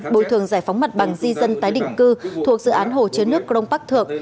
bồi thường giải phóng mặt bằng di dân tái định cư thuộc dự án hồ chứa nước crong bắc thượng